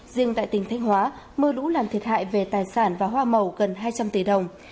riêng tại tỉnh thanh hóa mưa lũ làm thiệt hại về tài sản và hoa màu gần hai trăm linh tỷ đồng